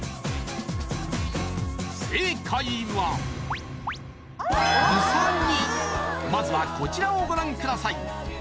正解はまずはこちらをご覧ください